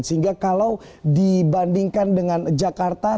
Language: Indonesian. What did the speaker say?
sehingga kalau dibandingkan dengan jakarta